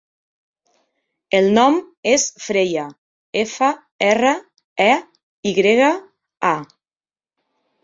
El nom és Freya: efa, erra, e, i grega, a.